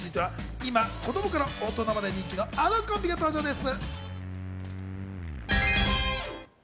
今、子供から大人まで人気のあのコンビが登場です。